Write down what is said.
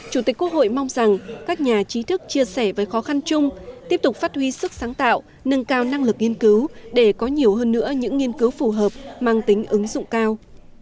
chủ tịch quốc hội mong rằng các nhà trí thức chia sẻ với khó khăn chung tiếp tục phát huy sức sáng tạo nâng cao năng lực nghiên cứu để có nhiều hơn nữa những nghiên cứu phù hợp mang tính ứng dụng cao